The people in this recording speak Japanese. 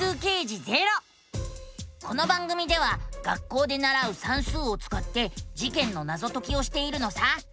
この番組では学校でならう「算数」をつかって事件のナゾ解きをしているのさ。